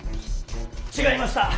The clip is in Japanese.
違いました！